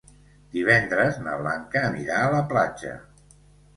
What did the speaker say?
Divendres na Blanca anirà a la platja.